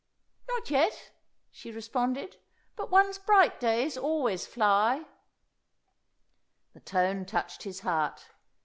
"Not yet," she responded; "but one's bright days always fly." The tone touched his heart.